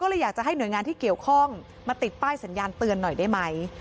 ก็เลยอยากจะให้หน่วยงานที่เกี่ยวข้องมาติดป้ายสัญญาณเตือนหน่อยได้ไหม